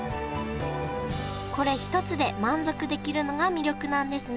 これ一つで満足できるのが魅力なんですね